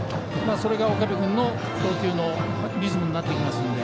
それが岡部君の投球のリズムになってくるので。